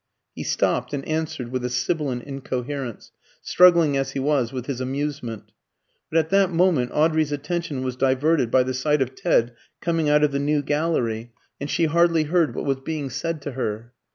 He stopped, and answered with a sibilant incoherence, struggling as he was with his amusement. But at that moment Audrey's attention was diverted by the sight of Ted coming out of the New Gallery, and she hardly heard what was being said to her.